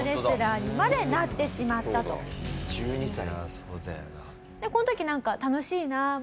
１２歳で。